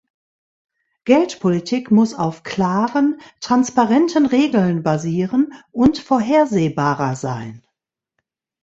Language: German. Geldpolitik muss auf klaren, transparenten Regeln basieren und vorhersehbarer sein.